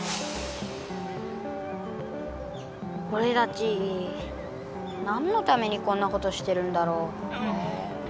おれたち何のためにこんなことしてるんだろう？